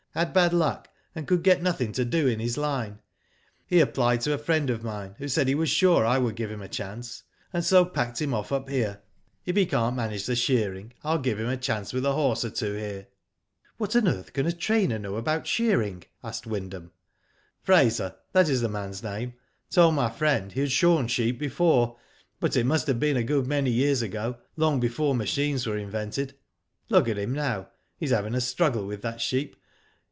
Had bad luck, and could get nothing to do in his line. He applied to a friend of mine, who said he was sure I would give him a chance, and so packed him off up here. If he can't manage the shearing, I'll give him a chance with a horse or two here." What on earth can a trainer know about shearing?" asked Wyndham. Fraser, that is the man's name, told my friend, he had shorn sheep before, but it must have been a good many years ago, long before machines were invented. Look at him now.^ He's having a struggle with that sheep.